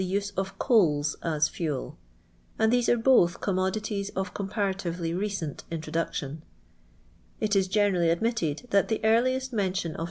us of c >.iU as fu .d ; and (ii'.'ie are b kV. coann >dities of coinparaiiveiy receut introduction. It 1.1 generally admitted that the earliest men tioa of